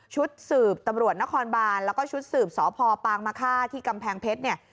ชุดสืบตำรวจนครบานแล้วก็ชุดสืบสพปางมะค่าที่กำแพงเพชรเนี่ย